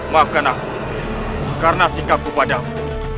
maafkan aku karena sikapku padamu